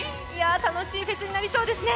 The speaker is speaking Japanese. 楽しいフェスになりそうですね。